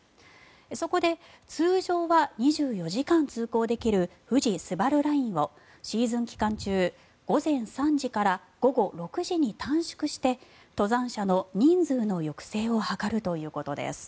そこで通常は２４時間通行できる富士スバルラインをシーズン期間中午前３時から午後６時に短縮して、登山者の人数の抑制を図るということです。